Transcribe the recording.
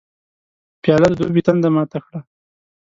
پیاله د دوبي تنده ماته کړي.